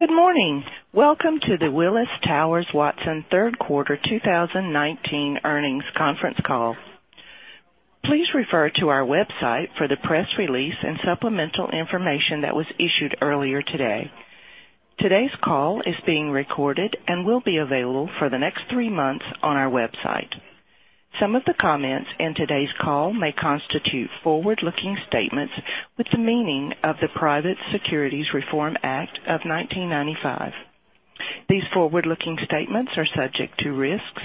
Good morning. Welcome to the Willis Towers Watson third quarter 2019 earnings conference call. Please refer to our website for the press release and supplemental information that was issued earlier today. Today's call is being recorded and will be available for the next three months on our website. Some of the comments in today's call may constitute forward-looking statements with the meaning of the Private Securities Litigation Reform Act of 1995. These forward-looking statements are subject to risks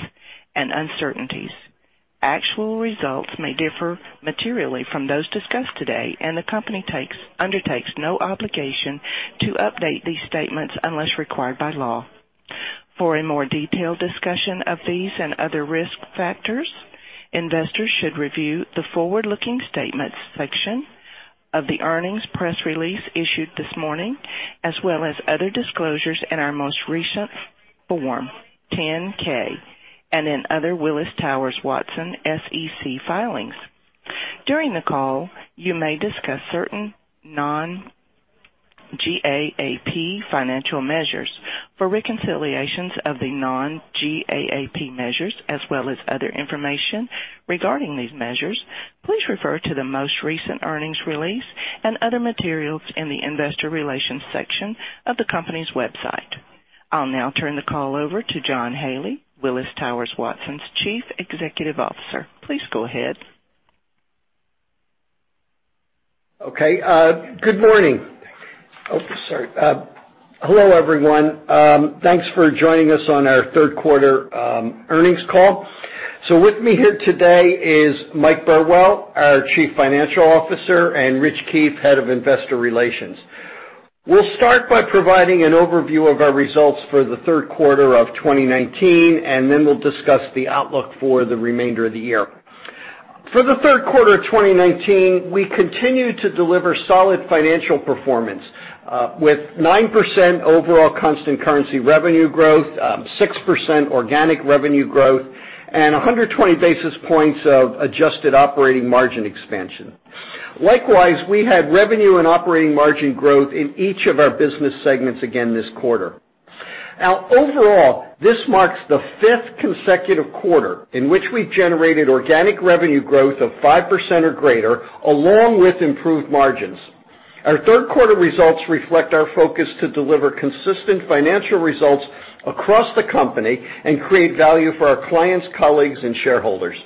and uncertainties. Actual results may differ materially from those discussed today, and the company undertakes no obligation to update these statements unless required by law. For a more detailed discussion of these and other risk factors, investors should review the forward-looking statements section of the earnings press release issued this morning, as well as other disclosures in our most recent Form 10-K and in other Willis Towers Watson SEC filings. During the call, you may discuss certain non-GAAP financial measures. For reconciliations of the non-GAAP measures, as well as other information regarding these measures, please refer to the most recent earnings release and other materials in the investor relations section of the company's website. I'll now turn the call over to John Haley, Willis Towers Watson's Chief Executive Officer. Please go ahead. Okay. Good morning. Sorry. Hello, everyone. Thanks for joining us on our third quarter earnings call. With me here today is Mike Burwell, our Chief Financial Officer, and Rich Keefe, Head of Investor Relations. We'll start by providing an overview of our results for the third quarter of 2019, then we'll discuss the outlook for the remainder of the year. For the third quarter of 2019, we continued to deliver solid financial performance, with 9% overall constant currency revenue growth, 6% organic revenue growth, and 120 basis points of adjusted operating margin expansion. Likewise, we had revenue and operating margin growth in each of our business segments again this quarter. Overall, this marks the fifth consecutive quarter in which we generated organic revenue growth of 5% or greater, along with improved margins. Our third quarter results reflect our focus to deliver consistent financial results across the company and create value for our clients, colleagues, and shareholders.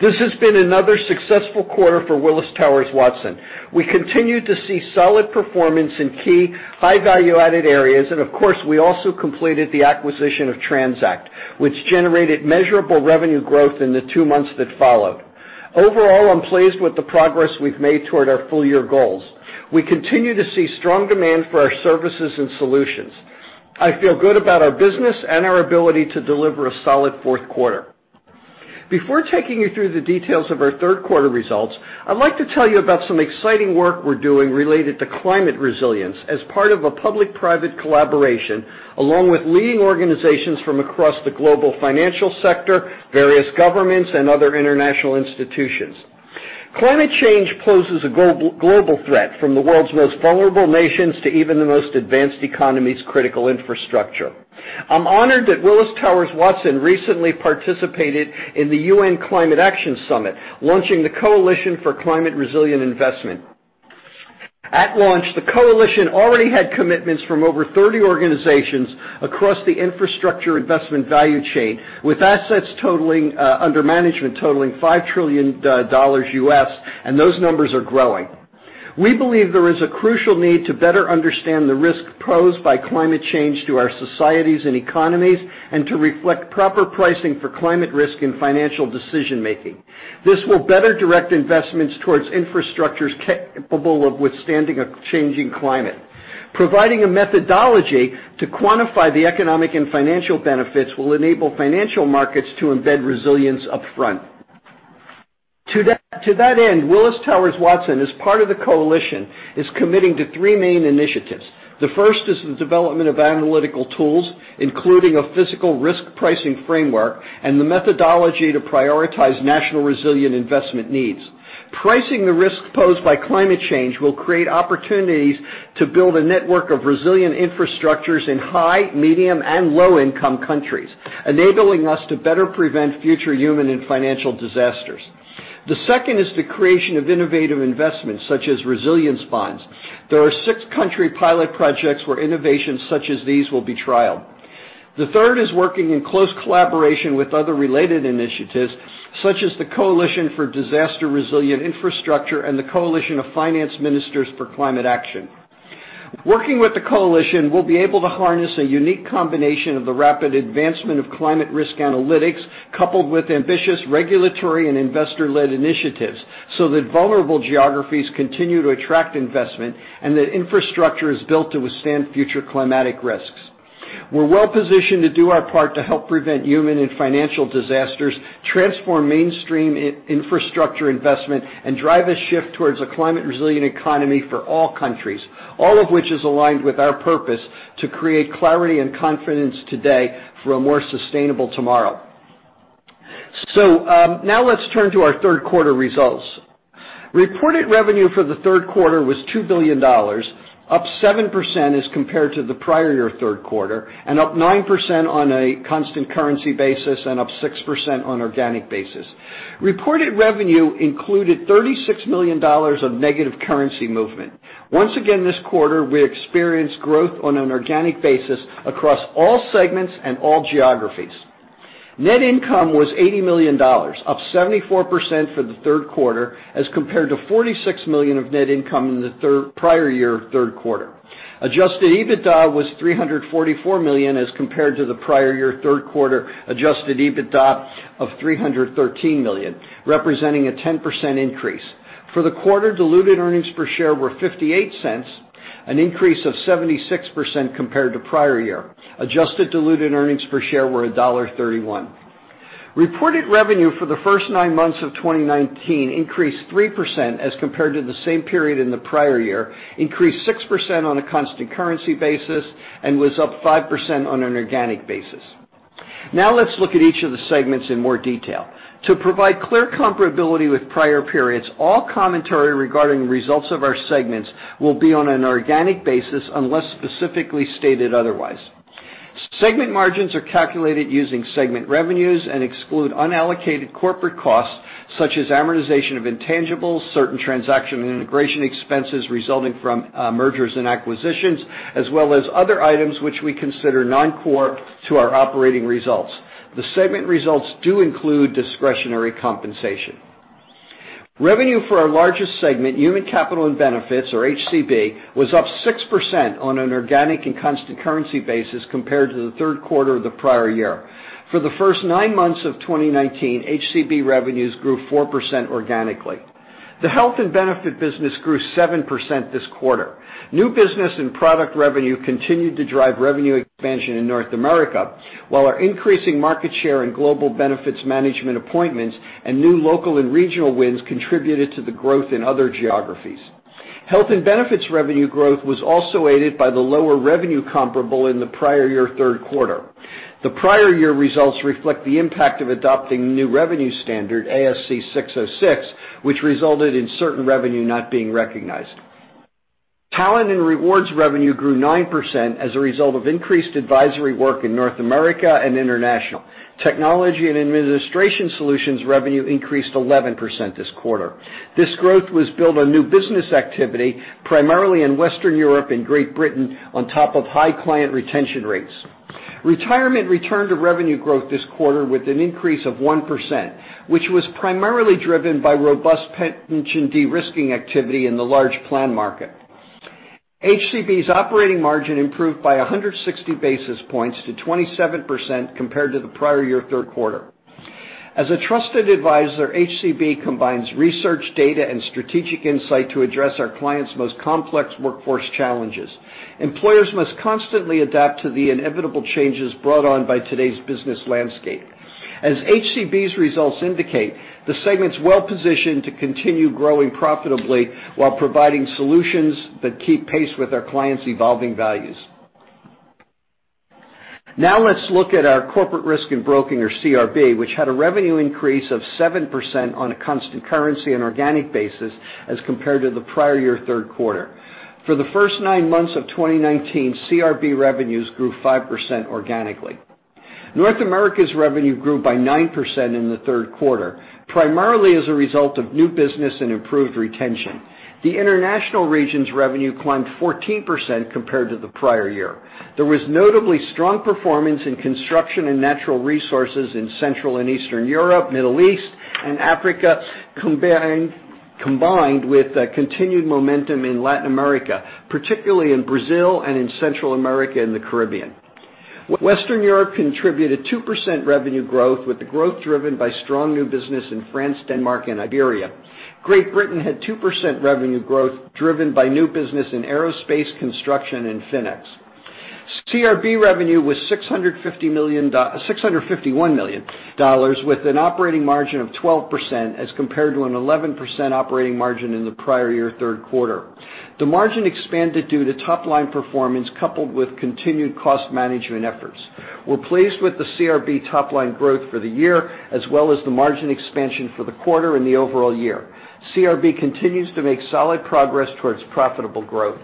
This has been another successful quarter for Willis Towers Watson. We continued to see solid performance in key high value-added areas. Of course, we also completed the acquisition of TRANZACT, which generated measurable revenue growth in the two months that followed. Overall, I'm pleased with the progress we've made toward our full-year goals. We continue to see strong demand for our services and solutions. I feel good about our business and our ability to deliver a solid fourth quarter. Before taking you through the details of our third quarter results, I'd like to tell you about some exciting work we're doing related to climate resilience as part of a public-private collaboration, along with leading organizations from across the global financial sector, various governments, and other international institutions. Climate change poses a global threat from the world's most vulnerable nations to even the most advanced economies' critical infrastructure. I'm honored that Willis Towers Watson recently participated in the UN Climate Action Summit, launching the Coalition for Climate Resilient Investment. At launch, the coalition already had commitments from over 30 organizations across the infrastructure investment value chain, with assets under management totaling $5 trillion, and those numbers are growing. We believe there is a crucial need to better understand the risk posed by climate change to our societies and economies and to reflect proper pricing for climate risk in financial decision-making. This will better direct investments towards infrastructures capable of withstanding a changing climate. Providing a methodology to quantify the economic and financial benefits will enable financial markets to embed resilience upfront. To that end, Willis Towers Watson, as part of the coalition, is committing to three main initiatives. The first is the development of analytical tools, including a physical risk pricing framework and the methodology to prioritize national resilient investment needs. Pricing the risk posed by climate change will create opportunities to build a network of resilient infrastructures in high, medium, and low-income countries, enabling us to better prevent future human and financial disasters. The second is the creation of innovative investments, such as resilience bonds. There are six country pilot projects where innovations such as these will be trialed. The third is working in close collaboration with other related initiatives, such as the Coalition for Disaster Resilient Infrastructure and the Coalition of Finance Ministers for Climate Action. Working with the coalition, we'll be able to harness a unique combination of the rapid advancement of climate risk analytics, coupled with ambitious regulatory and investor-led initiatives so that vulnerable geographies continue to attract investment and that infrastructure is built to withstand future climatic risks. We're well-positioned to do our part to help prevent human and financial disasters, transform mainstream infrastructure investment, and drive a shift towards a climate-resilient economy for all countries, all of which is aligned with our purpose to create clarity and confidence today for a more sustainable tomorrow. Now let's turn to our third quarter results. Reported revenue for the third quarter was $2 billion, up 7% as compared to the prior year third quarter, and up 9% on a constant currency basis and up 6% on organic basis. Reported revenue included $36 million of negative currency movement. Once again, this quarter, we experienced growth on an organic basis across all segments and all geographies. Net income was $80 million, up 74% for the third quarter as compared to $46 million of net income in the prior year third quarter. Adjusted EBITDA was $344 million as compared to the prior year third quarter adjusted EBITDA of $313 million, representing a 10% increase. For the quarter, diluted earnings per share were $0.58, an increase of 76% compared to prior year. Adjusted diluted earnings per share were $1.31. Reported revenue for the first nine months of 2019 increased 3% as compared to the same period in the prior year, increased 6% on a constant currency basis, and was up 5% on an organic basis. Let's look at each of the segments in more detail. To provide clear comparability with prior periods, all commentary regarding results of our segments will be on an organic basis unless specifically stated otherwise. Segment margins are calculated using segment revenues and exclude unallocated corporate costs such as amortization of intangibles, certain transaction and integration expenses resulting from mergers and acquisitions, as well as other items which we consider non-core to our operating results. The segment results do include discretionary compensation. Revenue for our largest segment, Human Capital and Benefits, or HCB, was up 6% on an organic and constant currency basis compared to the third quarter of the prior year. For the first nine months of 2019, HCB revenues grew 4% organically. The health and benefit business grew 7% this quarter. New business and product revenue continued to drive revenue expansion in North America, while our increasing market share in global benefits management appointments and new local and regional wins contributed to the growth in other geographies. Health and benefits revenue growth was also aided by the lower revenue comparable in the prior year third quarter. The prior year results reflect the impact of adopting new revenue standard ASC 606, which resulted in certain revenue not being recognized. Talent and rewards revenue grew 9% as a result of increased advisory work in North America and international. Technology and administration solutions revenue increased 11% this quarter. This growth was built on new business activity, primarily in Western Europe and Great Britain, on top of high client retention rates. Retirement returned to revenue growth this quarter with an increase of 1%, which was primarily driven by robust pension de-risking activity in the large plan market. HCB's operating margin improved by 160 basis points to 27% compared to the prior year third quarter. As a trusted advisor, HCB combines research data and strategic insight to address our clients' most complex workforce challenges. Employers must constantly adapt to the inevitable changes brought on by today's business landscape. As HCB's results indicate, the segment's well positioned to continue growing profitably while providing solutions that keep pace with our clients' evolving values. Let's look at our Corporate Risk and Broking, or CRB, which had a revenue increase of 7% on a constant currency and organic basis as compared to the prior year third quarter. For the first nine months of 2019, CRB revenues grew 5% organically. North America's revenue grew by 9% in the third quarter, primarily as a result of new business and improved retention. The international region's revenue climbed 14% compared to the prior year. There was notably strong performance in construction and natural resources in Central and Eastern Europe, Middle East, and Africa, combined with continued momentum in Latin America, particularly in Brazil and in Central America and the Caribbean. Western Europe contributed 2% revenue growth, with the growth driven by strong new business in France, Denmark and Iberia. Great Britain had 2% revenue growth driven by new business in aerospace construction and FINEX. CRB revenue was $651 million with an operating margin of 12% as compared to an 11% operating margin in the prior year third quarter. The margin expanded due to top-line performance coupled with continued cost management efforts. We're pleased with the CRB top-line growth for the year, as well as the margin expansion for the quarter and the overall year. CRB continues to make solid progress towards profitable growth.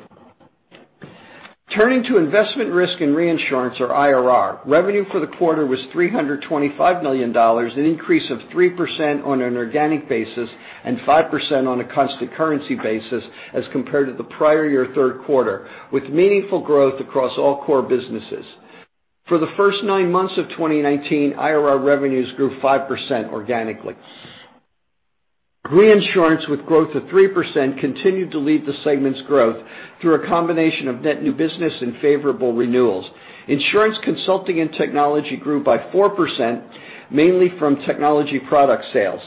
Turning to Investment, Risk and Reinsurance, or IRR, revenue for the quarter was $325 million, an increase of 3% on an organic basis and 5% on a constant currency basis as compared to the prior year third quarter, with meaningful growth across all core businesses. For the first nine months of 2019, IRR revenues grew 5% organically. Reinsurance with growth of 3% continued to lead the segment's growth through a combination of net new business and favorable renewals. Insurance consulting and technology grew by 4%, mainly from technology product sales.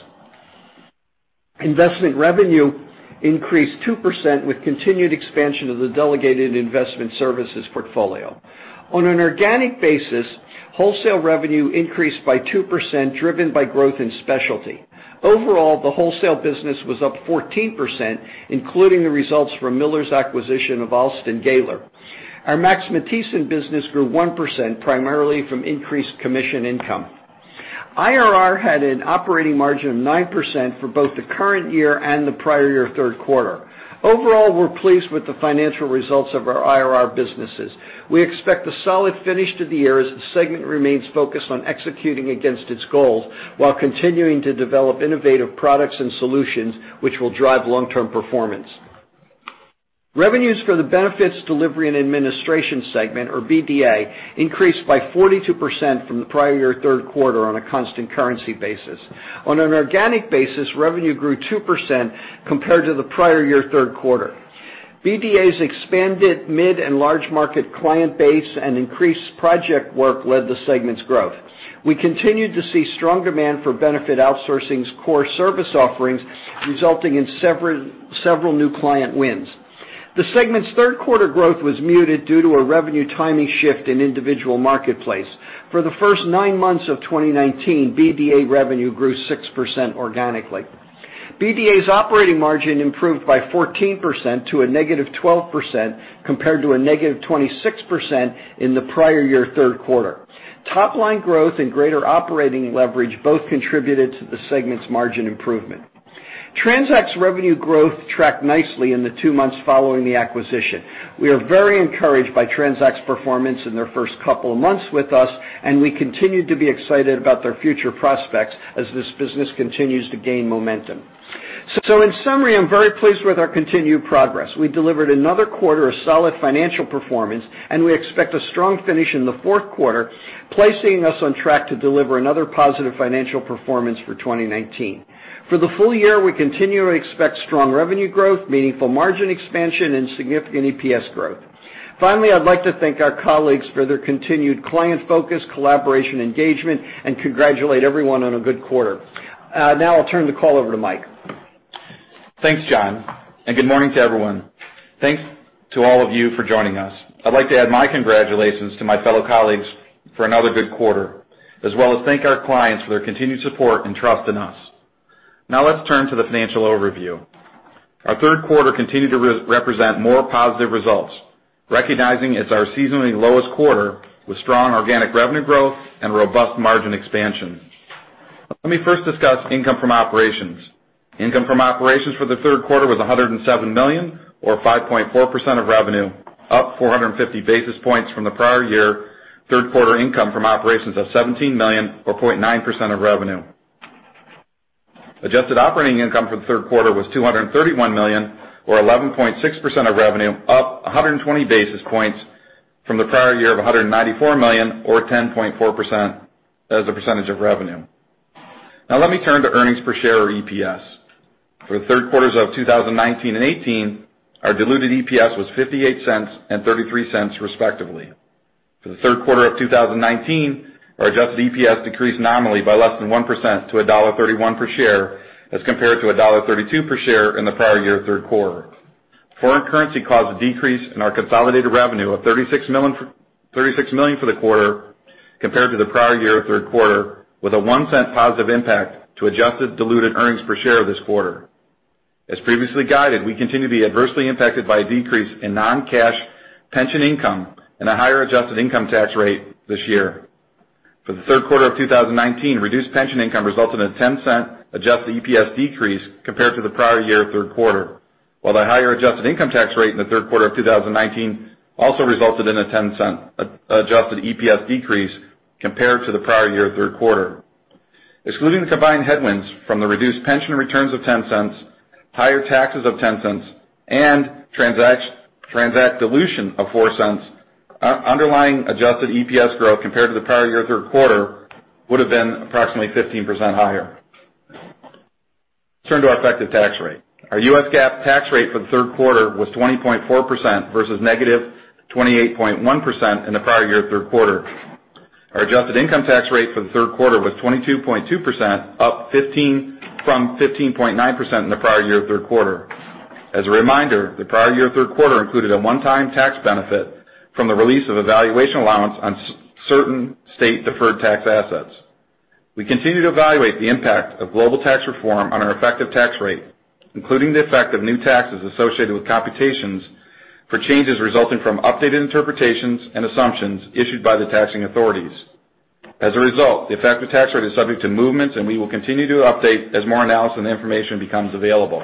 Investment revenue increased 2% with continued expansion of the delegated investment services portfolio. On an organic basis, wholesale revenue increased by 2%, driven by growth in specialty. Overall, the wholesale business was up 14%, including the results from Miller's acquisition of Alston & Gayler. Our Max Matthiessen business grew 1%, primarily from increased commission income. IRR had an operating margin of 9% for both the current year and the prior year third quarter. Overall, we're pleased with the financial results of our IRR businesses. We expect a solid finish to the year as the segment remains focused on executing against its goals, while continuing to develop innovative products and solutions which will drive long-term performance. Revenues for the Benefits Delivery and Administration segment, or BDA, increased by 42% from the prior year third quarter on a constant currency basis. On an organic basis, revenue grew 2% compared to the prior year third quarter. BDA's expanded mid and large market client base and increased project work led the segment's growth. We continued to see strong demand for benefit outsourcing's core service offerings, resulting in several new client wins. The segment's third quarter growth was muted due to a revenue timing shift in individual marketplace. For the first nine months of 2019, BDA revenue grew 6% organically. BDA's operating margin improved by 14% to a negative 12%, compared to a negative 26% in the prior year third quarter. Top-line growth and greater operating leverage both contributed to the segment's margin improvement. TRANZACT's revenue growth tracked nicely in the two months following the acquisition. We are very encouraged by TRANZACT's performance in their first couple of months with us, and we continue to be excited about their future prospects as this business continues to gain momentum. In summary, I'm very pleased with our continued progress. We delivered another quarter of solid financial performance. We expect a strong finish in the fourth quarter, placing us on track to deliver another positive financial performance for 2019. For the full year, we continue to expect strong revenue growth, meaningful margin expansion, and significant EPS growth. Finally, I'd like to thank our colleagues for their continued client focus, collaboration, engagement, and congratulate everyone on a good quarter. Now I'll turn the call over to Mike. Thanks, John, and good morning to everyone. Thanks to all of you for joining us. I'd like to add my congratulations to my fellow colleagues for another good quarter, as well as thank our clients for their continued support and trust in us. Let's turn to the financial overview. Our third quarter continued to represent more positive results, recognizing it's our seasonally lowest quarter, with strong organic revenue growth and robust margin expansion. Let me first discuss income from operations. Income from operations for the third quarter was $107 million, or 5.4% of revenue, up 450 basis points from the prior year third quarter income from operations of $17 million, or 0.9% of revenue. Adjusted operating income for the third quarter was $231 million, or 11.6% of revenue, up 120 basis points from the prior year of $194 million, or 10.4% as a percentage of revenue. Let me turn to earnings per share, or EPS. For the third quarters of 2019 and 2018, our diluted EPS was $0.58 and $0.33 respectively. For the third quarter of 2019, our adjusted EPS decreased nominally by less than 1% to $1.31 per share as compared to $1.32 per share in the prior year third quarter. Foreign currency caused a decrease in our consolidated revenue of $36 million for the quarter compared to the prior year third quarter, with a $0.01 positive impact to adjusted diluted earnings per share this quarter. As previously guided, we continue to be adversely impacted by a decrease in non-cash pension income and a higher adjusted income tax rate this year. For the third quarter of 2019, reduced pension income resulted in a $0.10 adjusted EPS decrease compared to the prior year third quarter, while the higher adjusted income tax rate in the third quarter of 2019 also resulted in a $0.10 adjusted EPS decrease compared to the prior year third quarter. Excluding the combined headwinds from the reduced pension returns of $0.10, higher taxes of $0.10, and TRANZACT dilution of $0.04, underlying adjusted EPS growth compared to the prior year third quarter would've been approximately 15% higher. Let's turn to our effective tax rate. Our U.S. GAAP tax rate for the third quarter was 20.4% versus negative 28.1% in the prior year third quarter. Our adjusted income tax rate for the third quarter was 22.2%, up from 15.9% in the prior year third quarter. As a reminder, the prior year third quarter included a one-time tax benefit from the release of a valuation allowance on certain state deferred tax assets. We continue to evaluate the impact of global tax reform on our effective tax rate, including the effect of new taxes associated with computations for changes resulting from updated interpretations and assumptions issued by the taxing authorities. As a result, the effective tax rate is subject to movements, and we will continue to update as more analysis and information becomes available.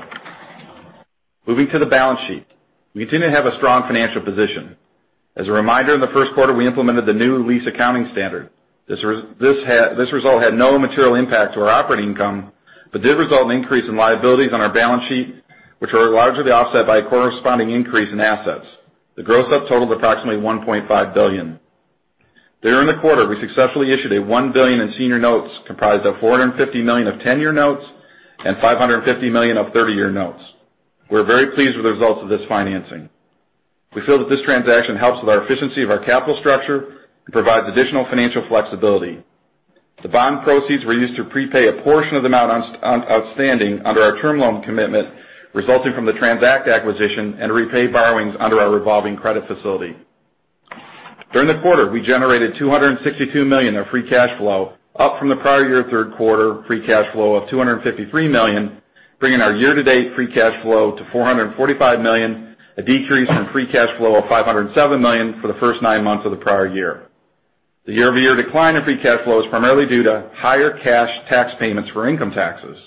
Moving to the balance sheet. We continue to have a strong financial position. As a reminder, in the first quarter, we implemented the new lease accounting standard. This result had no material impact to our operating income, but did result in increase in liabilities on our balance sheet, which were largely offset by a corresponding increase in assets. The gross up totaled approximately $1.5 billion. During the quarter, we successfully issued $1 billion in senior notes, comprised of $450 million of 10-year notes and $550 million of 30-year notes. We're very pleased with the results of this financing. We feel that this transaction helps with our efficiency of our capital structure and provides additional financial flexibility. The bond proceeds were used to prepay a portion of the amount outstanding under our term loan commitment resulting from the TRANZACT acquisition and repay borrowings under our revolving credit facility. During the quarter, we generated $262 million of free cash flow, up from the prior year third quarter free cash flow of $253 million, bringing our year-to-date free cash flow to $445 million, a decrease from free cash flow of $507 million for the first nine months of the prior year. The year-over-year decline in free cash flow is primarily due to higher cash tax payments for income taxes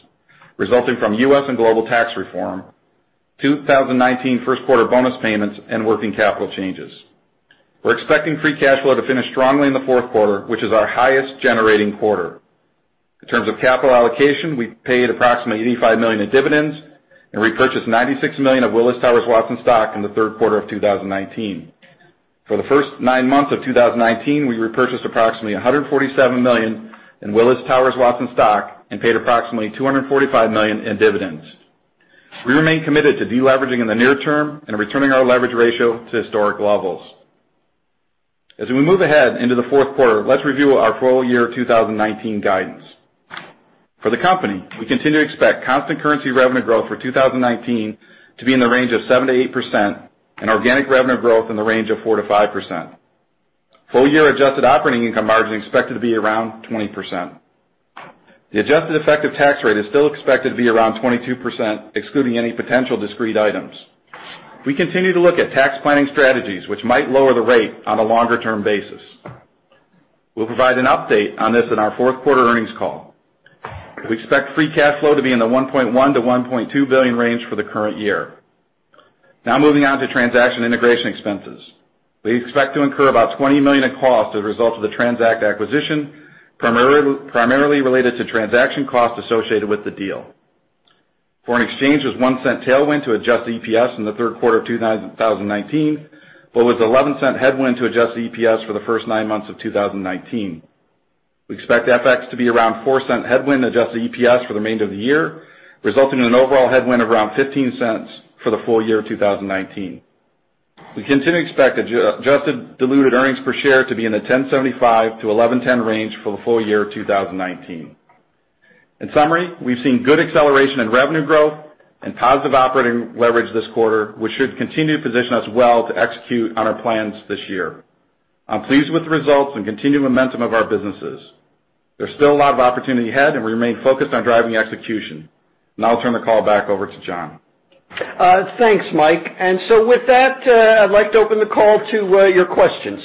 resulting from U.S. and global tax reform, 2019 first quarter bonus payments, and working capital changes. We're expecting free cash flow to finish strongly in the fourth quarter, which is our highest generating quarter. In terms of capital allocation, we paid approximately $85 million in dividends and repurchased $96 million of Willis Towers Watson stock in the third quarter of 2019. For the first nine months of 2019, we repurchased approximately $147 million in Willis Towers Watson stock and paid approximately $245 million in dividends. We remain committed to de-leveraging in the near term and returning our leverage ratio to historic levels. As we move ahead into the fourth quarter, let's review our full year 2019 guidance. For the company, we continue to expect constant currency revenue growth for 2019 to be in the range of 7%-8% and organic revenue growth in the range of 4%-5%. Full year adjusted operating income margin is expected to be around 20%. The adjusted effective tax rate is still expected to be around 22%, excluding any potential discrete items. We continue to look at tax planning strategies which might lower the rate on a longer-term basis. We'll provide an update on this in our fourth quarter earnings call. We expect free cash flow to be in the $1.1 billion-$1.2 billion range for the current year. Moving on to transaction integration expenses. We expect to incur about $20 million in costs as a result of the TRANZACT acquisition, primarily related to transaction costs associated with the deal. Foreign exchange was a $0.01 tailwind to adjusted EPS in the third quarter of 2019, was an $0.11 headwind to adjusted EPS for the first nine months of 2019. We expect FX to be around a $0.04 headwind adjusted EPS for the remainder of the year, resulting in an overall headwind of around $0.15 for the full year 2019. We continue to expect adjusted diluted earnings per share to be in the $10.75-$11.10 range for the full year 2019. In summary, we've seen good acceleration in revenue growth and positive operating leverage this quarter, which should continue to position us well to execute on our plans this year. I'm pleased with the results and continuing momentum of our businesses. There's still a lot of opportunity ahead, and we remain focused on driving execution. I'll turn the call back over to John. Thanks, Mike. With that, I'd like to open the call to your questions.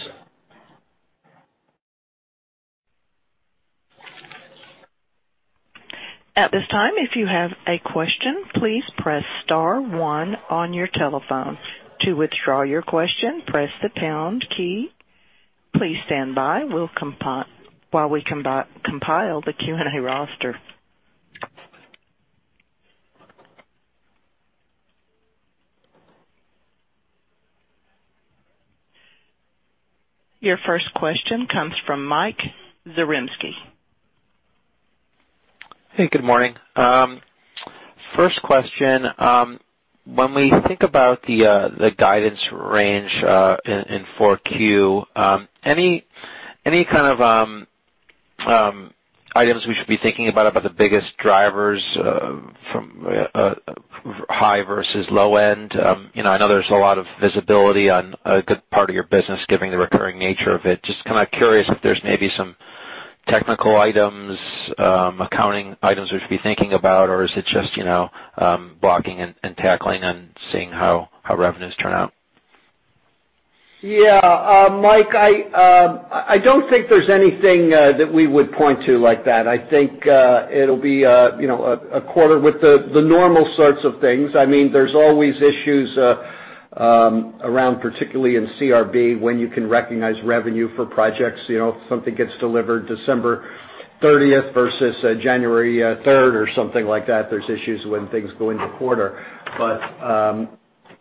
At this time, if you have a question, please press * one on your telephone. To withdraw your question, press the # key. Please stand by while we compile the Q&A roster. Your first question comes from Michael Zaremski. Hey, good morning. First question, when we think about the guidance range in 4Q, any kind of items we should be thinking about the biggest drivers from high versus low end? I know there's a lot of visibility on a good part of your business, given the recurring nature of it. Just kind of curious if there's maybe some technical items, accounting items we should be thinking about, or is it just blocking and tackling and seeing how revenues turn out? Yeah, Mike, I don't think there's anything that we would point to like that. I think it'll be a quarter with the normal sorts of things. There's always issues around, particularly in CRB, when you can recognize revenue for projects. If something gets delivered December 30th versus January 3rd or something like that, there's issues when things go into quarter.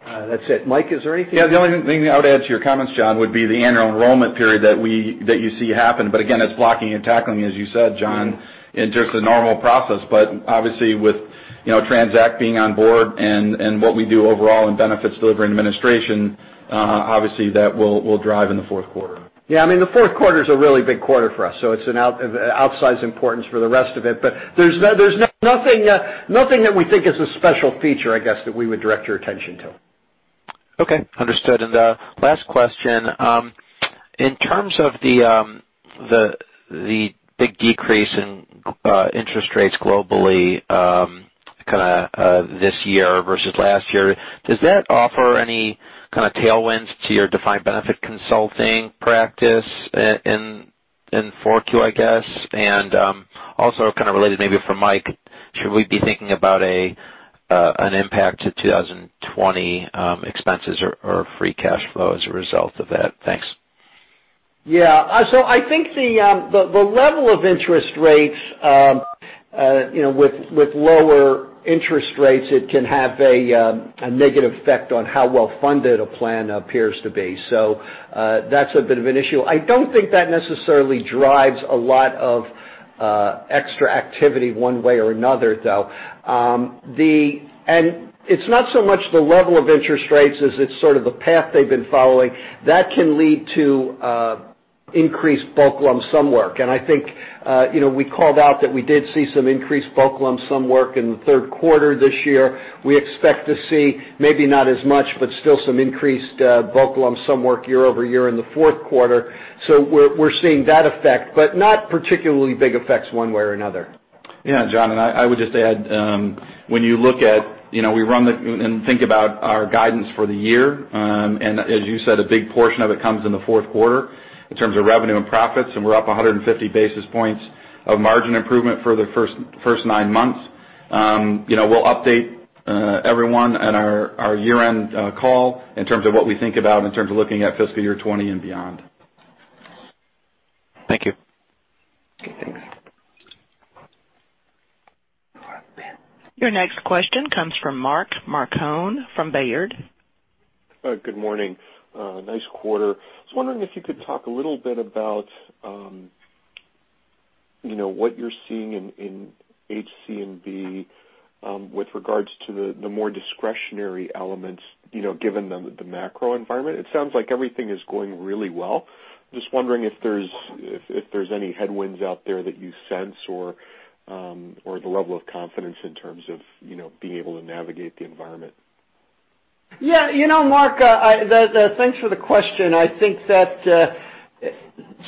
That's it. Mike, is there anything? the only thing I would add to your comments, John, would be the annual enrollment period that you see happen. Again, it's blocking and tackling, as you said, John, in just a normal process. Obviously with TRANZACT being on board and what we do overall in Benefits Delivery and Administration, obviously that will drive in the fourth quarter. the fourth quarter is a really big quarter for us, it's an outsized importance for the rest of it. There's nothing that we think is a special feature, I guess, that we would direct your attention to. Okay, understood. Last question, in terms of the big decrease in interest rates globally this year versus last year, does that offer any kind of tailwinds to your defined benefit consulting practice in 4Q, I guess? Also, kind of related maybe for Mike, should we be thinking about an impact to 2020 expenses or free cash flow as a result of that? Thanks. I think the level of interest rates, with lower interest rates, it can have a negative effect on how well-funded a plan appears to be. That's a bit of an issue. I don't think that necessarily drives a lot of extra activity one way or another, though. It's not so much the level of interest rates as it's sort of the path they've been following. That can lead to increased bulk lump sum work. I think we called out that we did see some increased bulk lump sum work in the third quarter this year. We expect to see maybe not as much, but still some increased bulk lump sum work year over year in the fourth quarter. We're seeing that effect, but not particularly big effects one way or another. Yeah, John, I would just add, when you think about our guidance for the year, as you said, a big portion of it comes in the fourth quarter in terms of revenue and profits, we're up 150 basis points of margin improvement for the first nine months. We'll update everyone at our year-end call in terms of what we think about in terms of looking at fiscal year 2020 and beyond. Thank you. Okay, thanks. Your next question comes from Mark Marcon from Baird. Good morning. Nice quarter. I was wondering if you could talk a little bit about what you're seeing in HCB with regards to the more discretionary elements, given the macro environment. It sounds like everything is going really well. Just wondering if there's any headwinds out there that you sense or the level of confidence in terms of being able to navigate the environment. Yeah. Mark, thanks for the question. I think that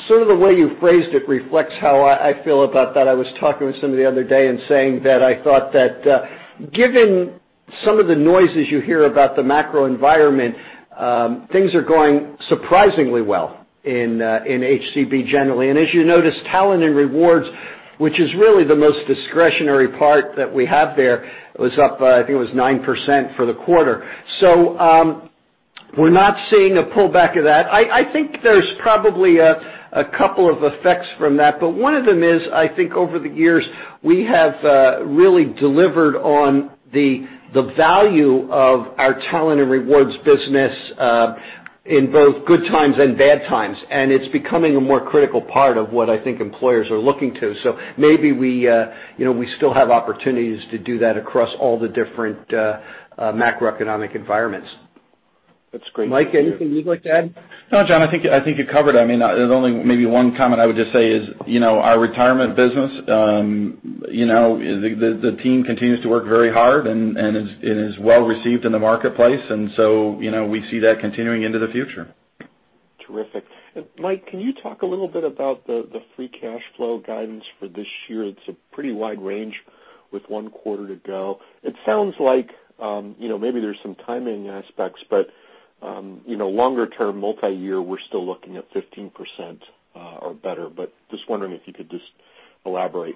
sort of the way you phrased it reflects how I feel about that. I was talking with somebody the other day and saying that I thought that given some of the noises you hear about the macro environment, things are going surprisingly well in HCB generally. As you noticed, talent and rewards, which is really the most discretionary part that we have there, was up, I think it was 9% for the quarter. We're not seeing a pullback of that. I think there's probably a couple of effects from that. One of them is, I think over the years, we have really delivered on the value of our talent and rewards business in both good times and bad times. It's becoming a more critical part of what I think employers are looking to. Maybe we still have opportunities to do that across all the different macroeconomic environments. That's great. Mike, anything you'd like to add? No, John, I think you covered. There's only maybe one comment I would just say is our retirement business, the team continues to work very hard and is well received in the marketplace. We see that continuing into the future. Terrific. Mike, can you talk a little bit about the free cash flow guidance for this year? It's a pretty wide range with one quarter to go. It sounds like maybe there's some timing aspects, Longer term, multi-year, we're still looking at 15% or better, Just wondering if you could just elaborate.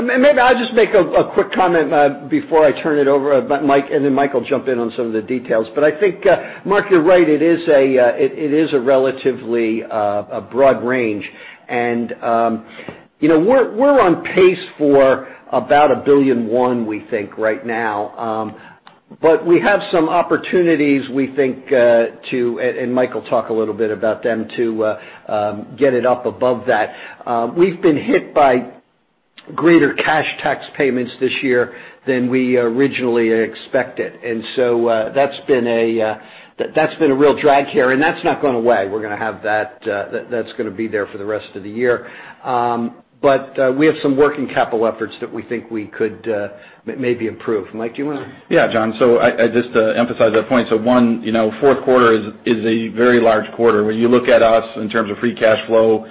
Maybe I'll just make a quick comment before I turn it over, Mike, and then Mike will jump in on some of the details. I think, Mark, you're right. It is a relatively broad range. We're on pace for about $1.1 billion, we think right now. We have some opportunities we think to, and Mike will talk a little bit about them, to get it up above that. We've been hit by greater cash tax payments this year than we originally expected. That's been a real drag here, and that's not going away. We're going to have that. That's going to be there for the rest of the year. We have some working capital efforts that we think we could maybe improve. Mike, do you want to? Just to emphasize that point, one, fourth quarter is a very large quarter. When you look at us in terms of free cash flow,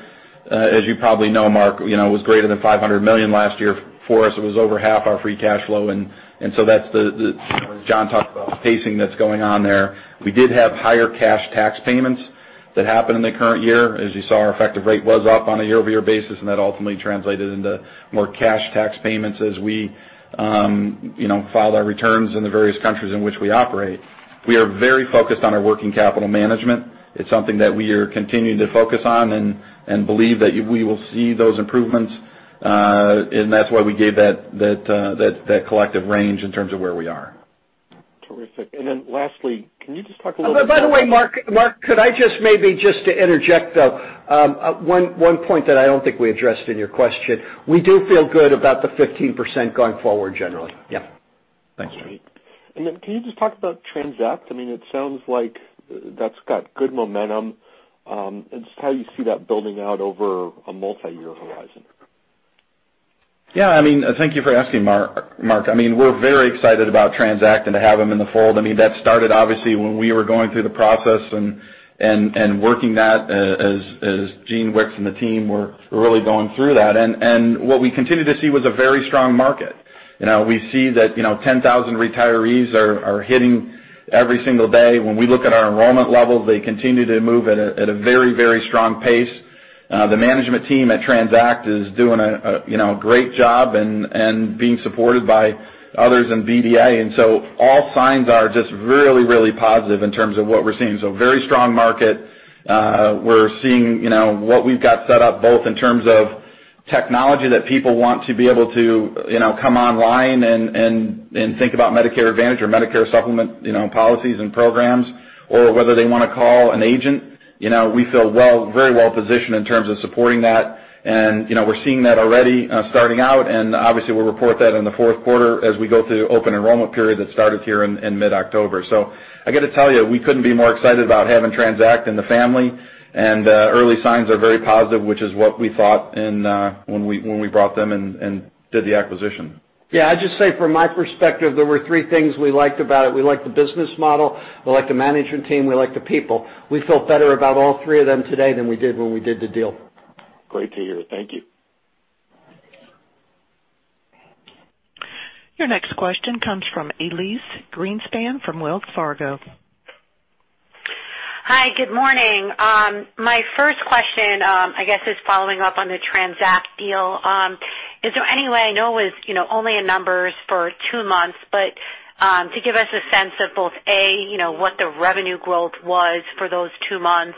as you probably know, Mark, it was greater than $500 million last year. For us, it was over half our free cash flow. That's the, as John talked about, the pacing that's going on there. We did have higher cash tax payments that happened in the current year. As you saw, our effective rate was up on a year-over-year basis, and that ultimately translated into more cash tax payments as we filed our returns in the various countries in which we operate. We are very focused on our working capital management. It's something that we are continuing to focus on and believe that we will see those improvements. That's why we gave that collective range in terms of where we are. Terrific. Lastly, can you just talk a little bit about? By the way, Mark, could I just maybe to interject, though, one point that I don't think we addressed in your question. We do feel good about the 15% going forward, generally. Yeah. Thank you. Thanks. Can you just talk about TRANZACT? It sounds like that's got good momentum. Just how you see that building out over a multi-year horizon. Thank you for asking, Mark. We're very excited about TRANZACT and to have them in the fold. That started obviously when we were going through the process and working that as Gene Wickes and the team were really going through that. What we continued to see was a very strong market. We see that 10,000 retirees are hitting every single day. When we look at our enrollment levels, they continue to move at a very strong pace. The management team at TRANZACT is doing a great job and being supported by others in BDA. All signs are just really positive in terms of what we're seeing. Very strong market. We're seeing what we've got set up, both in terms of technology that people want to be able to come online and think about Medicare Advantage or Medicare Supplement policies and programs, or whether they want to call an agent. We feel very well-positioned in terms of supporting that. We're seeing that already starting out, and obviously we'll report that in the fourth quarter as we go through the open enrollment period that started here in mid-October. I got to tell you, we couldn't be more excited about having TRANZACT in the family, and early signs are very positive, which is what we thought when we brought them and did the acquisition. Yeah. I'd just say from my perspective, there were three things we liked about it. We liked the business model, we liked the management team, we liked the people. We feel better about all three of them today than we did when we did the deal. Great to hear. Thank you. Your next question comes from Elyse Greenspan from Wells Fargo. Hi, good morning. My first question, I guess, is following up on the TRANZACT deal. Is there any way, I know it was only in numbers for two months, but to give us a sense of both, A, what the revenue growth was for those two months?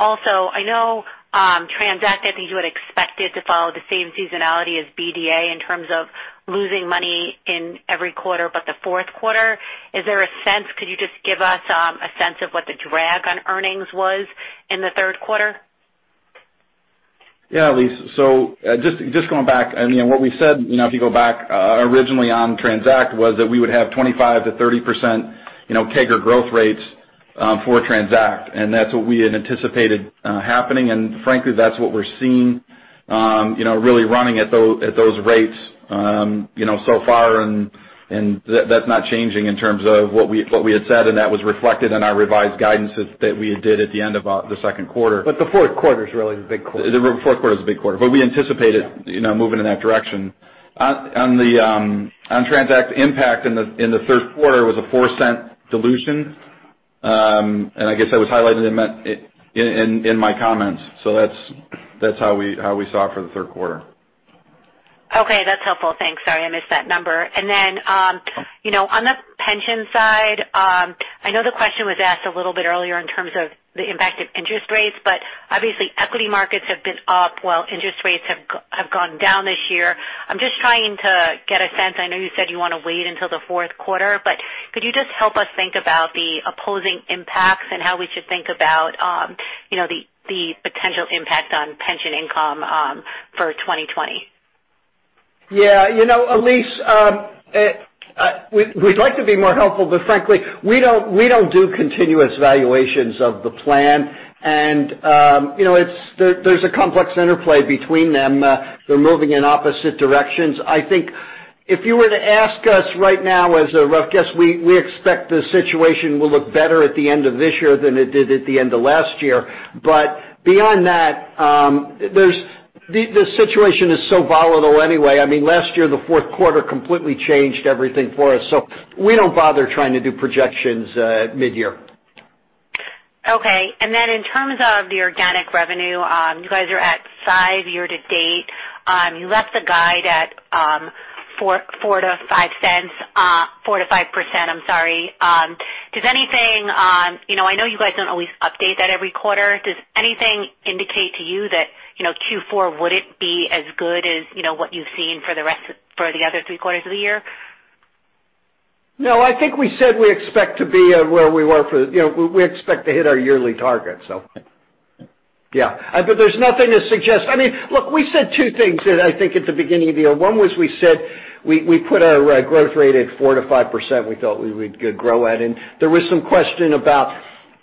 Also, I know TRANZACT, I think you had expected to follow the same seasonality as BDA in terms of losing money in every quarter but the fourth quarter. Is there a sense, could you just give us a sense of what the drag on earnings was in the third quarter? Yeah, Elyse. Just going back, what we said, if you go back originally on TRANZACT, was that we would have 25%-30% CAGR growth rates for TRANZACT, and that's what we had anticipated happening. Frankly, that's what we're seeing really running at those rates so far, that's not changing in terms of what we had said, and that was reflected in our revised guidance that we did at the end of the second quarter. The fourth quarter is really the big quarter. The fourth quarter is the big quarter, we anticipated moving in that direction. On TRANZACT impact in the third quarter was a $0.04 dilution, I guess that was highlighted in my comments. That's how we saw it for the third quarter. Okay, that's helpful. Thanks. Sorry, I missed that number. On the pension side, I know the question was asked a little bit earlier in terms of the impact of interest rates, obviously equity markets have been up while interest rates have gone down this year. I'm just trying to get a sense. I know you said you want to wait until the fourth quarter, could you just help us think about the opposing impacts and how we should think about the potential impact on pension income for 2020? Elyse, frankly, we don't do continuous valuations of the plan. There's a complex interplay between them. They're moving in opposite directions. I think if you were to ask us right now as a rough guess, we expect the situation will look better at the end of this year than it did at the end of last year. Beyond that, the situation is so volatile anyway. Last year, the fourth quarter completely changed everything for us. We don't bother trying to do projections mid-year. Okay. In terms of the organic revenue, you guys are at 5 year to date. You left the guide at 4%-5%. I know you guys don't always update that every quarter. Does anything indicate to you that Q4 wouldn't be as good as what you've seen for the other three quarters of the year? No, I think we said we expect to hit our yearly target. Yeah. There's nothing to suggest. Look, we said two things, I think, at the beginning of the year. One was we said we put our growth rate at 4%-5% we thought we could grow at. There was some question about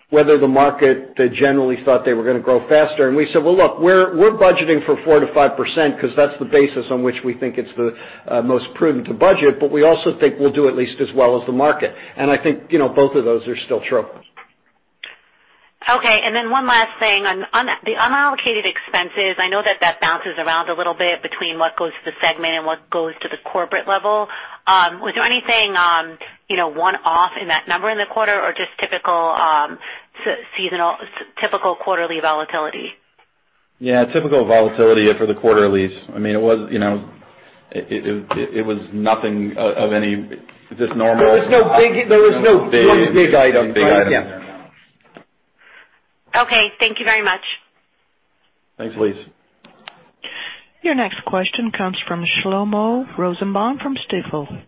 whether the market generally thought they were going to grow faster. We said, "Well, look, we're budgeting for 4%-5% because that's the basis on which we think it's the most prudent to budget, but we also think we'll do at least as well as the market." I think both of those are still true. Okay, one last thing. On the unallocated expenses, I know that bounces around a little bit between what goes to the segment and what goes to the corporate level. Was there anything one-off in that number in the quarter or just typical quarterly volatility? Yeah, typical volatility for the quarter, Elyse. It was nothing. Just normal. There was no big item. No big item in there, no. Okay, thank you very much. Thanks, Elyse. Your next question comes from Shlomo Rosenbaum from Stifel.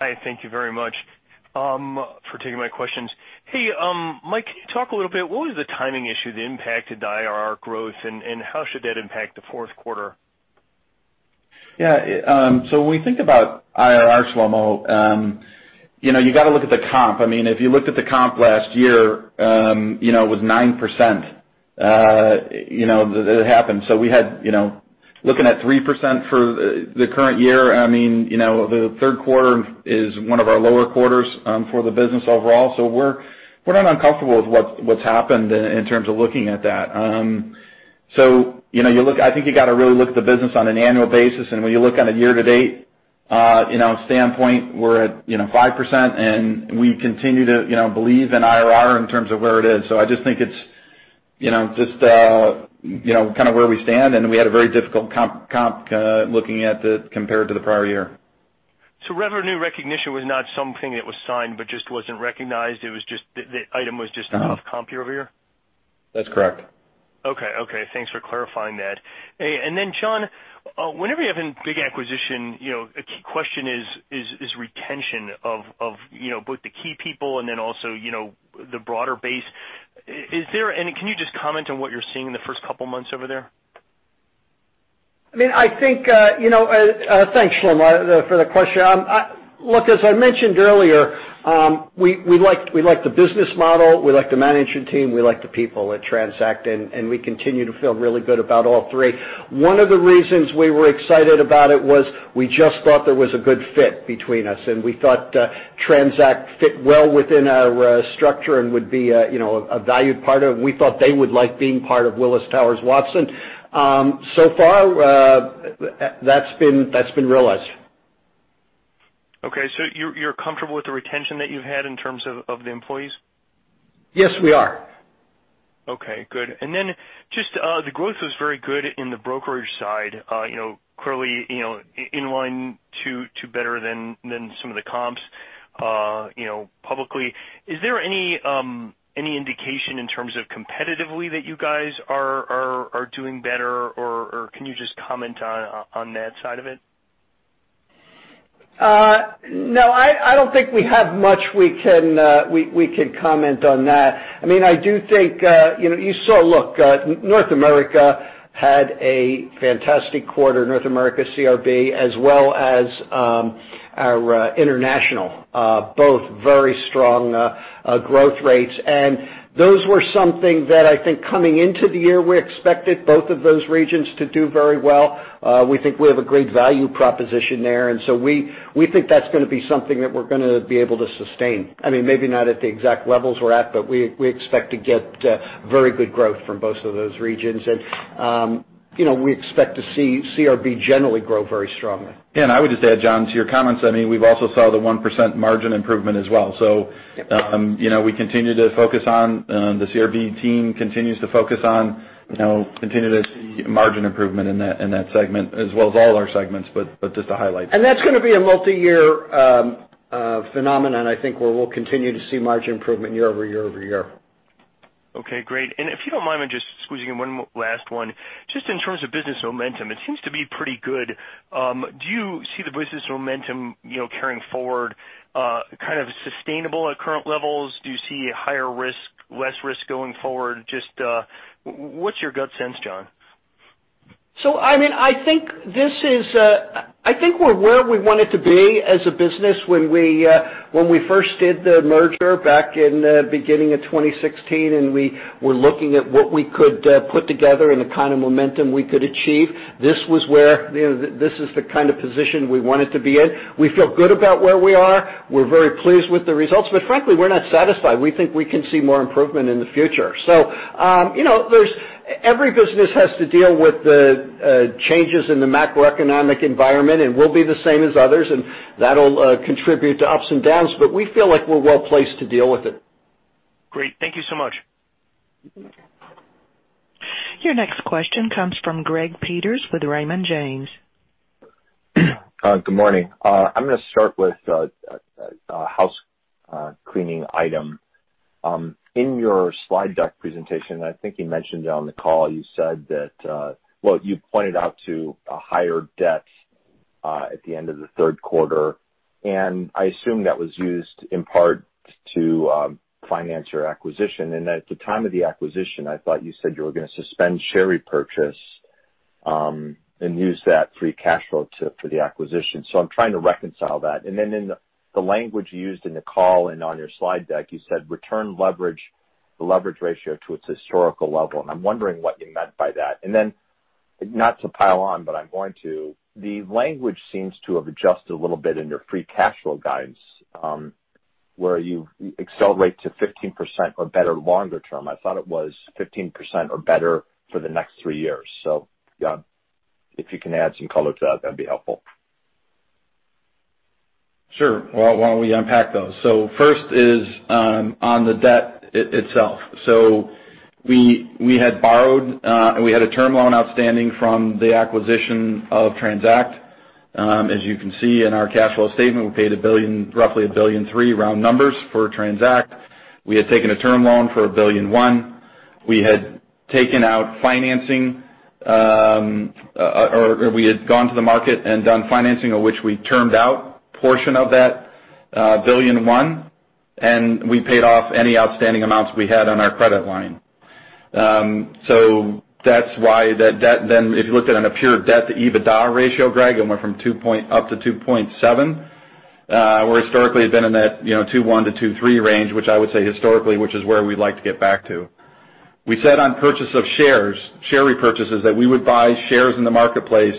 Hi, thank you very much for taking my questions. Hey, Mike, can you talk a little bit, what was the timing issue that impacted IRR growth, and how should that impact the fourth quarter? Yeah. When we think about IRR, Shlomo, you got to look at the comp. If you looked at the comp last year, it was 9%. It happened. Looking at 3% for the current year, the third quarter is one of our lower quarters for the business overall. We're not uncomfortable with what's happened in terms of looking at that. I think you got to really look at the business on an annual basis, and when you look on a year to date standpoint, we're at 5%, and we continue to believe in IRR in terms of where it is. I just think it's just kind of where we stand, and we had a very difficult comp looking at compared to the prior year. Revenue recognition was not something that was signed but just wasn't recognized. The item was just off comp year-over-year? That's correct. Okay. Thanks for clarifying that. John, whenever you're having big acquisition, a key question is retention of both the key people and then also, the broader base. Can you just comment on what you're seeing in the first couple of months over there? Thanks, Shlomo, for the question. Look, as I mentioned earlier, we like the business model, we like the management team, we like the people at TRANZACT, and we continue to feel really good about all three. One of the reasons we were excited about it was we just thought there was a good fit between us, and we thought TRANZACT fit well within our structure and would be a valued part of. We thought they would like being part of Willis Towers Watson. So far, that's been realized. Okay. You're comfortable with the retention that you've had in terms of the employees? Yes, we are. Okay, good. Just the growth was very good in the brokerage side, clearly in line to better than some of the comps publicly. Is there any indication in terms of competitively that you guys are doing better or can you just comment on that side of it? No, I don't think we have much we could comment on that. Look, North America had a fantastic quarter, North America CRB, as well as our international, both very strong growth rates. Those were something that I think coming into the year, we expected both of those regions to do very well. We think we have a great value proposition there, we think that's going to be something that we're going to be able to sustain. Maybe not at the exact levels we're at, but we expect to get very good growth from both of those regions. We expect to see CRB generally grow very strongly. I would just add, John, to your comments, we've also saw the 1% margin improvement as well. The CRB team continues to focus on continuing to see margin improvement in that segment as well as all our segments, but just to highlight. That's going to be a multi-year phenomenon, I think, where we'll continue to see margin improvement year over year over year. Okay, great. If you don't mind me just squeezing in one last one. Just in terms of business momentum, it seems to be pretty good. Do you see the business momentum carrying forward, kind of sustainable at current levels? Do you see higher risk, less risk going forward? Just what's your gut sense, John? I think we're where we wanted to be as a business when we first did the merger back in the beginning of 2016, and we were looking at what we could put together and the kind of momentum we could achieve. This is the kind of position we wanted to be in. We feel good about where we are. We're very pleased with the results, but frankly, we're not satisfied. We think we can see more improvement in the future. Every business has to deal with the changes in the macroeconomic environment, and we'll be the same as others, and that'll contribute to ups and downs, but we feel like we're well-placed to deal with it. Great. Thank you so much. Your next question comes from Gregory Peters with Raymond James. Good morning. I'm going to start with a house cleaning item. In your slide deck presentation, I think you mentioned it on the call, you pointed out to a higher debt at the end of the third quarter, and I assume that was used in part to finance your acquisition. At the time of the acquisition, I thought you said you were going to suspend share repurchase, and use that free cash flow for the acquisition. I'm trying to reconcile that. In the language you used in the call and on your slide deck, you said return leverage ratio to its historical level, and I'm wondering what you meant by that. Not to pile on, but I'm going to, the language seems to have adjusted a little bit in your free cash flow guidance, where you accelerate to 15% or better longer term. I thought it was 15% or better for the next three years. If you can add some color to that'd be helpful. Sure. Why don't we unpack those? First is on the debt itself. We had a term loan outstanding from the acquisition of TRANZACT. As you can see in our cash flow statement, we paid roughly $1.3 billion round numbers for TRANZACT. We had taken a term loan for $1.1 billion. We had taken out financing, or we had gone to the market and done financing of which we termed out a portion of that $1.1 billion, and we paid off any outstanding amounts we had on our credit line. That's why that debt then, if you looked at it on a pure debt to EBITDA ratio, Greg, it went up to 2.7, where historically it had been in that 2.1-2.3 range, which I would say historically, which is where we'd like to get back to. We said on purchase of shares, share repurchases, that we would buy shares in the marketplace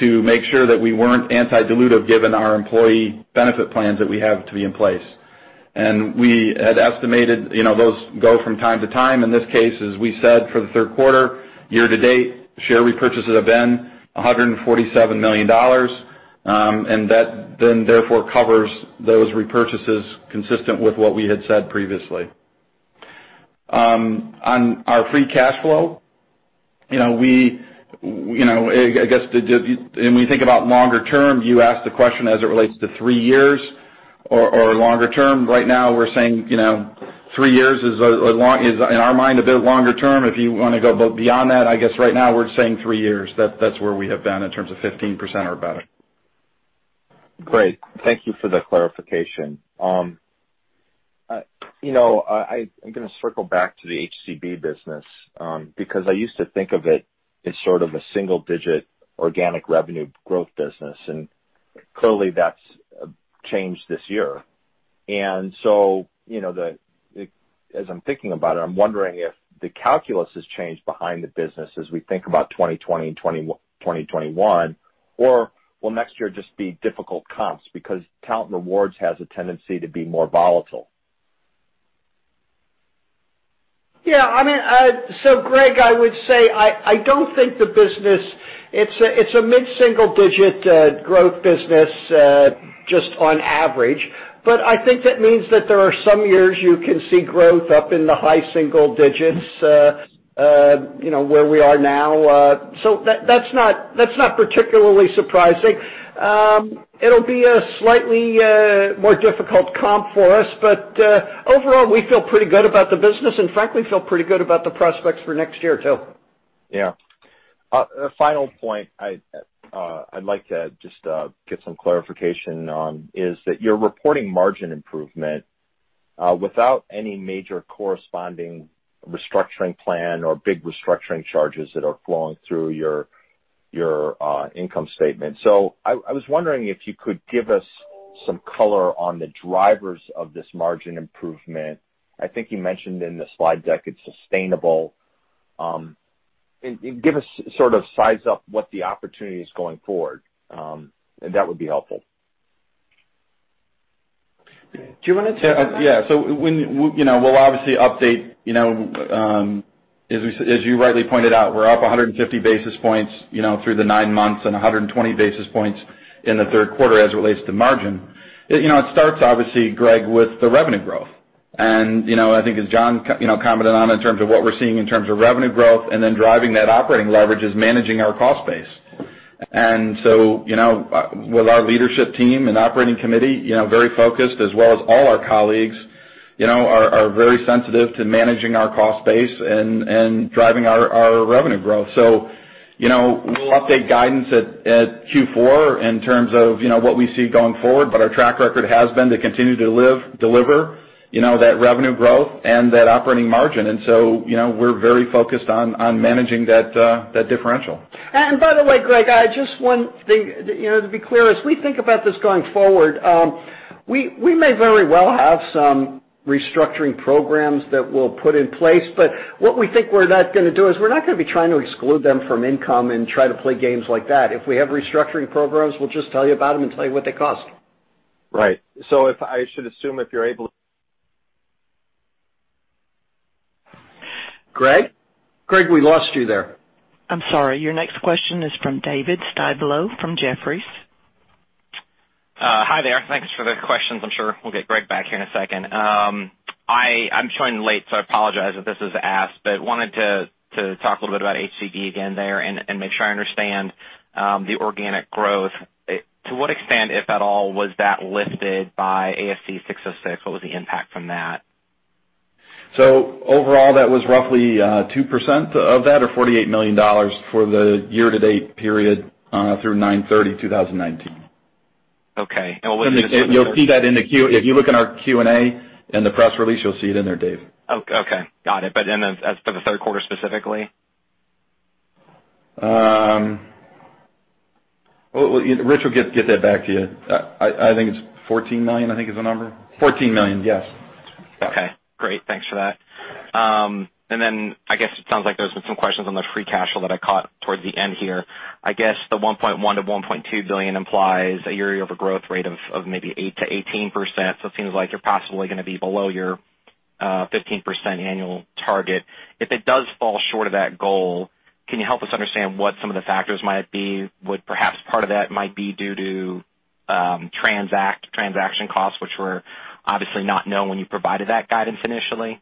to make sure that we weren't anti-dilutive given our employee benefit plans that we have to be in place. We had estimated those go from time to time. In this case, as we said, for the third quarter, year to date, share repurchases have been $147 million. That then therefore covers those repurchases consistent with what we had said previously. On our free cash flow I guess, when you think about longer term, you asked the question as it relates to three years or longer term. Right now, we're saying three years is, in our mind, a bit longer term. If you want to go beyond that, I guess right now we're saying three years. That's where we have been in terms of 15% or better. Great. Thank you for the clarification. I'm going to circle back to the HCB business because I used to think of it as sort of a single-digit organic revenue growth business, clearly that's changed this year. As I'm thinking about it, I'm wondering if the calculus has changed behind the business as we think about 2020 and 2021, or will next year just be difficult comps because Talent Rewards has a tendency to be more volatile? Yeah. Greg, I would say I don't think the business. It's a mid-single-digit growth business just on average. I think that means that there are some years you can see growth up in the high-single-digits, where we are now. That's not particularly surprising. It'll be a slightly more difficult comp for us. Overall, we feel pretty good about the business, and frankly, feel pretty good about the prospects for next year, too. Yeah. A final point I'd like to just get some clarification on is that you're reporting margin improvement without any major corresponding restructuring plan or big restructuring charges that are flowing through your income statement. I was wondering if you could give us some color on the drivers of this margin improvement. I think you mentioned in the slide deck it's sustainable. Give us sort of size up what the opportunity is going forward. That would be helpful. Do you want to take that? Yeah. We'll obviously update. As you rightly pointed out, we're up 150 basis points through the nine months and 120 basis points in the third quarter as it relates to margin. It starts, obviously, Greg, with the revenue growth. I think as John commented on in terms of what we're seeing in terms of revenue growth and then driving that operating leverage is managing our cost base. With our leadership team and operating committee very focused as well as all our colleagues are very sensitive to managing our cost base and driving our revenue growth. We'll update guidance at Q4 in terms of what we see going forward, but our track record has been to continue to deliver that revenue growth and that operating margin. We're very focused on managing that differential. By the way, Greg, just one thing. To be clear, as we think about this going forward, we may very well have some restructuring programs that we'll put in place. What we think we're not going to do is we're not going to be trying to exclude them from income and try to play games like that. If we have restructuring programs, we'll just tell you about them and tell you what they cost. Right. I should assume if you're Greg? Greg, we lost you there. I'm sorry. Your next question is from David Styblo from Jefferies. Hi there. Thanks for the questions. I'm sure we'll get Greg back here in a second. I'm joining late, so I apologize if this is asked, but wanted to talk a little bit about HCB again there and make sure I understand the organic growth. To what extent, if at all, was that lifted by ASC 606? What was the impact from that? overall, that was roughly 2% of that or $48 million for the year to date period through 9/30/2019. Okay. will we see this- You'll see that in the Q. If you look in our Q&A in the press release, you'll see it in there, Dave. Okay, got it. As for the third quarter specifically? Rich will get that back to you. I think it's $14 million, I think is the number. $14 million, yes. Okay, great. Thanks for that. I guess it sounds like there's been some questions on the free cash flow that I caught towards the end here. I guess the $1.1 billion-$1.2 billion implies a year-over-year growth rate of maybe 8%-18%, so it seems like you're possibly going to be below your 15% annual target. If it does fall short of that goal, can you help us understand what some of the factors might be? Would perhaps part of that might be due to transaction costs, which were obviously not known when you provided that guidance initially?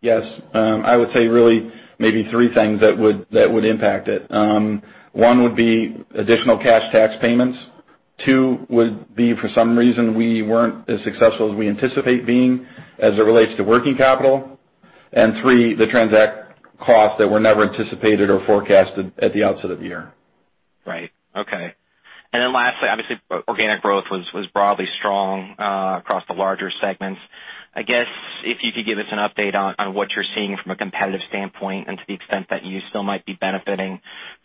Yes. I would say really maybe three things that would impact it. One would be additional cash tax payments. Two would be, for some reason, we weren't as successful as we anticipate being as it relates to working capital. Three, the TRANZACT costs that were never anticipated or forecasted at the outset of the year. Right. Okay. Lastly, obviously, organic growth was broadly strong across the larger segments. I guess if you could give us an update on what you're seeing from a competitive standpoint and to the extent that you still might be benefiting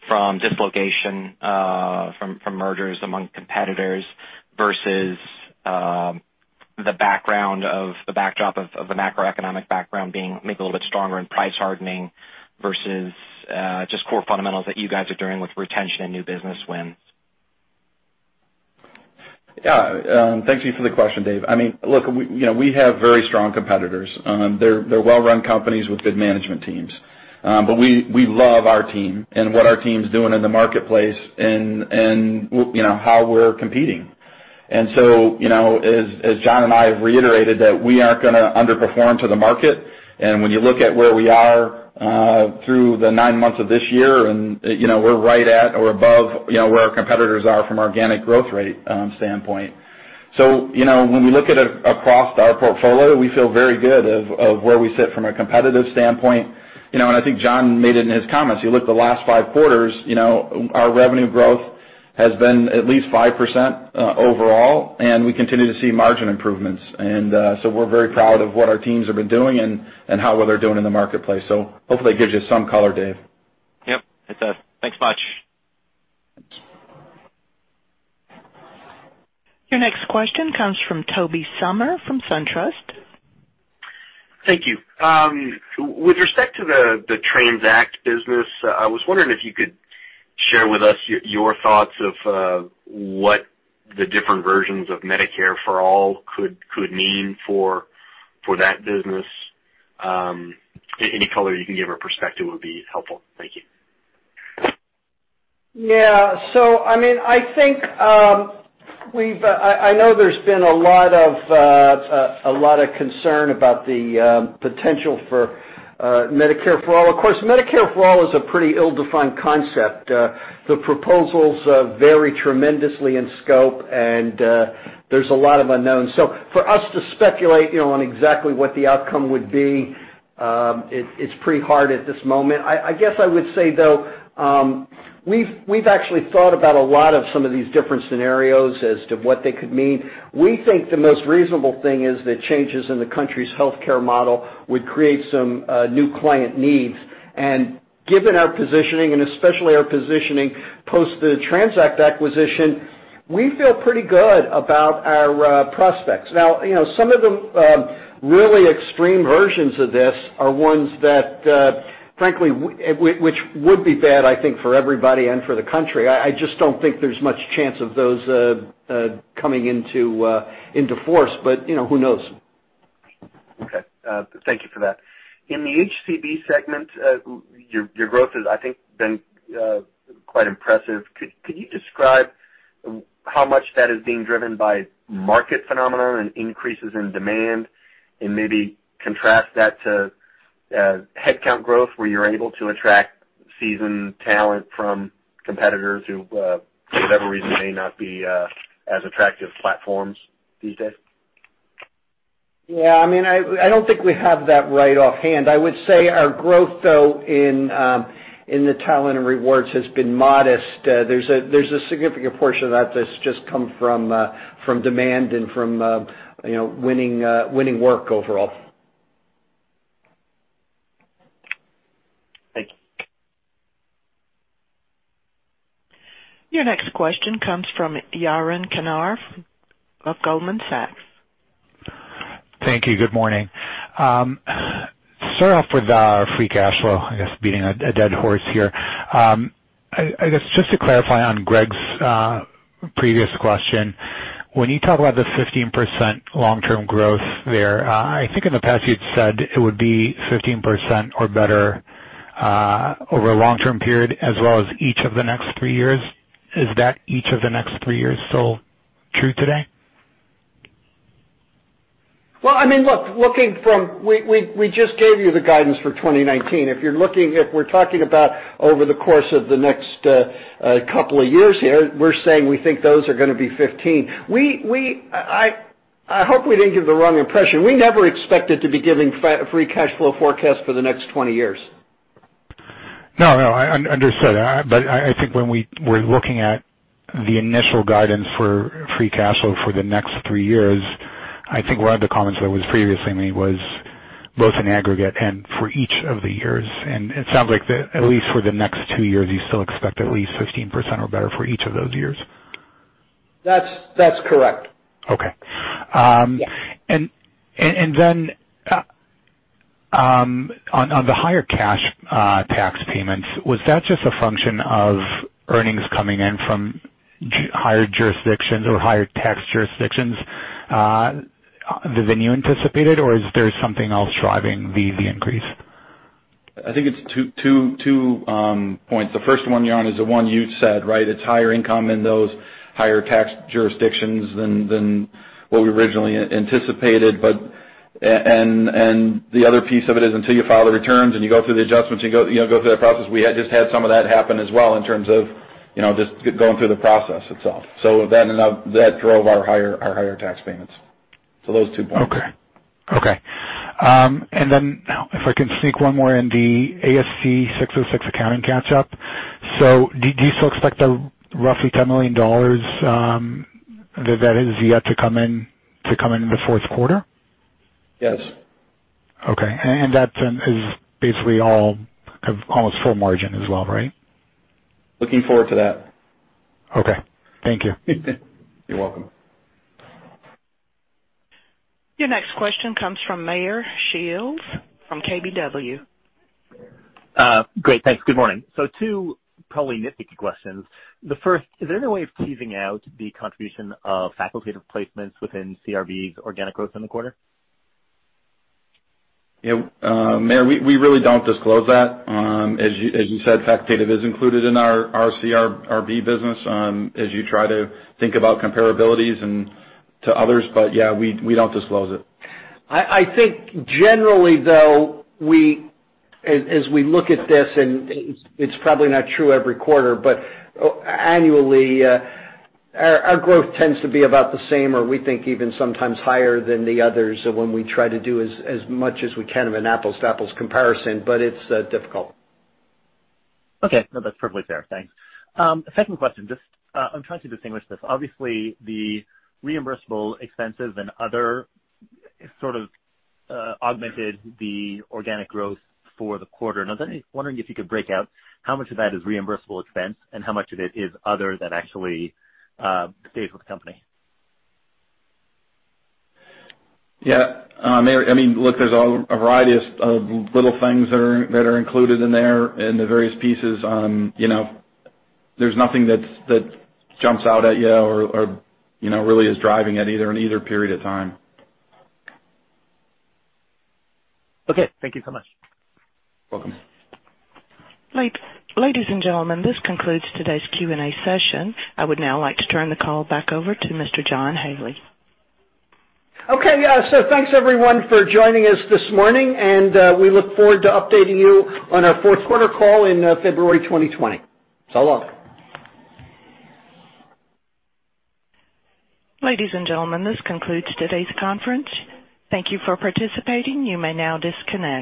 from dislocation from mergers among competitors versus the backdrop of the macroeconomic background being maybe a little bit stronger and price hardening versus just core fundamentals that you guys are doing with retention and new business wins. Yeah. Thank you for the question, Dave. Look, we have very strong competitors. They're well-run companies with good management teams. We love our team and what our team's doing in the marketplace and how we're competing. As John and I have reiterated, that we aren't going to underperform to the market. When you look at where we are through the nine months of this year, we're right at or above where our competitors are from organic growth rate standpoint. When we look at across our portfolio, we feel very good of where we sit from a competitive standpoint. I think John made it in his comments. You look the last five quarters, our revenue growth has been at least 5% overall, and we continue to see margin improvements. We're very proud of what our teams have been doing and how well they're doing in the marketplace. Hopefully that gives you some color, Dave. Yep. It does. Thanks much. Your next question comes from Tobey Sommer from SunTrust. Thank you. With respect to the TRANZACT business, I was wondering if you could share with us your thoughts of what the different versions of Medicare for All could mean for that business. Any color you can give or perspective would be helpful. Thank you. I know there's been a lot of concern about the potential for Medicare for All. Of course, Medicare for All is a pretty ill-defined concept. The proposals vary tremendously in scope, and there's a lot of unknowns. For us to speculate on exactly what the outcome would be, it's pretty hard at this moment. I guess I would say, though, we've actually thought about a lot of some of these different scenarios as to what they could mean. We think the most reasonable thing is that changes in the country's healthcare model would create some new client needs. Given our positioning, and especially our positioning post the TRANZACT acquisition, we feel pretty good about our prospects. Some of the really extreme versions of this are ones that, frankly, which would be bad, I think, for everybody and for the country. I just don't think there's much chance of those coming into force, who knows? Thank you for that. In the HCB segment, your growth has, I think, been quite impressive. Could you describe how much that is being driven by market phenomenon and increases in demand? Maybe contrast that to headcount growth where you're able to attract seasoned talent from competitors who, for whatever reason, may not be as attractive platforms these days. Yeah, I don't think we have that right offhand. I would say our growth, though, in the talent and rewards has been modest. There's a significant portion of that that's just come from demand and from winning work overall. Thank you. Your next question comes from Yaron Kinar of Goldman Sachs. Thank you. Good morning. Start off with our free cash flow, I guess beating a dead horse here. I guess, just to clarify on Greg's previous question, when you talk about the 15% long-term growth there, I think in the past you'd said it would be 15% or better over a long-term period as well as each of the next three years. Is that each of the next three years still true today? Well, look, we just gave you the guidance for 2019. If we're talking about over the course of the next couple of years here, we're saying we think those are going to be 15. I hope we didn't give the wrong impression. We never expected to be giving free cash flow forecast for the next 20 years. No, I understood. I think when we were looking at the initial guidance for free cash flow for the next three years, I think one of the comments that was previously made was both in aggregate and for each of the years. It sounds like at least for the next two years, you still expect at least 15% or better for each of those years. That's correct. Okay. Yeah. Then on the higher cash tax payments, was that just a function of earnings coming in from higher jurisdictions or higher tax jurisdictions than you anticipated, or is there something else driving the increase? I think it's two points. The first one, Yaron, is the one you said, right? It's higher income in those higher tax jurisdictions than what we originally anticipated. The other piece of it is until you file the returns and you go through the adjustments, you go through that process. We had just had some of that happen as well in terms of just going through the process itself. That drove our higher tax payments. Those two points. Okay. If I can sneak one more in the ASC 606 accounting catch up. Do you still expect the roughly $10 million that is yet to come in the fourth quarter? Yes. Okay. That is basically almost full margin as well, right? Looking forward to that. Okay. Thank you. You're welcome. Your next question comes from Meyer Shields from KBW. Great. Thanks. Good morning. Two probably nitpicky questions. The first, is there any way of teasing out the contribution of facultative placements within CRB's organic growth in the quarter? Yeah, Meyer, we really don't disclose that. As you said, facultative is included in our CRB business, as you try to think about comparabilities to others. Yeah, we don't disclose it. I think generally, though, as we look at this, and it's probably not true every quarter, but annually, our growth tends to be about the same or we think even sometimes higher than the others when we try to do as much as we can of an apples-to-apples comparison, but it's difficult. Okay. No, that's perfectly fair. Thanks. Second question. I'm trying to distinguish this. Obviously, the reimbursable expenses and other sort of augmented the organic growth for the quarter. I was wondering if you could break out how much of that is reimbursable expense and how much of it is other that actually stays with the company. Yeah. Meyer, look, there's a variety of little things that are included in there in the various pieces. There's nothing that jumps out at you or really is driving it in either period of time. Okay. Thank you so much. Welcome. Ladies and gentlemen, this concludes today's Q&A session. I would now like to turn the call back over to Mr. John Haley. Okay, thanks everyone for joining us this morning, and we look forward to updating you on our fourth quarter call in February 2020. So long. Ladies and gentlemen, this concludes today's conference. Thank you for participating. You may now disconnect.